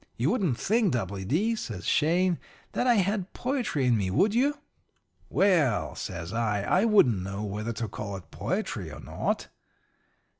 You wouldn't think, W. D.,' says Shane, 'that I had poetry in me, would you?' "'Well,' says I, 'I wouldn't know whether to call it poetry or not.'